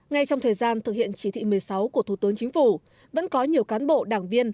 ngay trong thời gian thực hiện chỉ thị một mươi sáu của thủ tướng chính phủ vẫn có nhiều cán bộ đảng viên